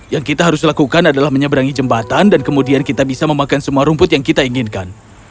yang kita harus lakukan adalah menyeberangi jembatan dan kemudian kita bisa memakan semua rumput yang kita inginkan